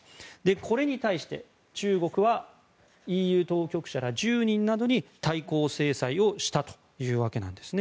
これに対し中国はＥＵ当局者１０人などに対抗制裁をしたというわけなんです。